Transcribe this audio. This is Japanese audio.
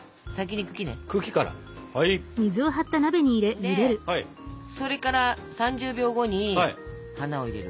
でそれから３０秒後に花を入れる。